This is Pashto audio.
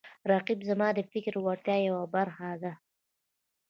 رقیب زما د فکري وړتیاو یوه برخه ده